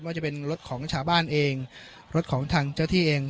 ว่าจะเป็นรถของชาวบ้านเองรถของทางเจ้าที่เอง